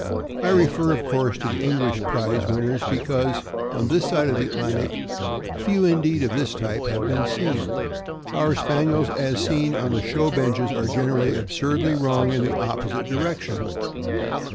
I refer, of course, to the English prize winners, because, on this side of the Atlantic, few indeed of this type have been seen.* Our Spaniels, as seen on the show benches, are generally absurdly wrong in the opposite direction.